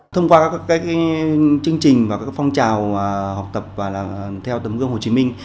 thông qua các chương trình và các phong trào học tập và làm theo tấm gương hồ chí minh